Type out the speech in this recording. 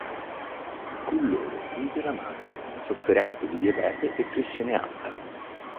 Con loro vive la madre, sofferente di diabete e pressione alta.